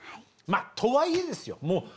まあとはいえですよ